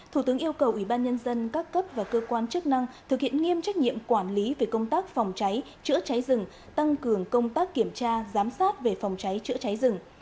thủ tướng yêu cầu ủy ban nhân dân các cấp và cơ quan chức năng thực hiện nghiêm trách nhiệm quản lý về công tác phòng cháy chữa cháy rừng tăng cường công tác kiểm tra giám sát về phòng cháy chữa cháy rừng